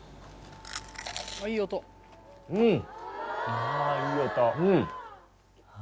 あぁいい音。